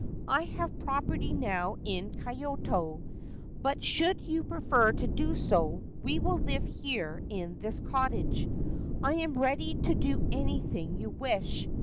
I have property now in Kyoto ; but should you prefer to do so, we will live here in this cottage. I am ready to do anything you wish.